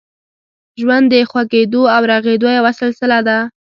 ژوند د خوږېدو او رغېدو یوه سلسله ده.